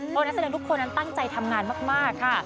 เพราะนักแสดงทุกคนนั้นตั้งใจทำงานมากค่ะ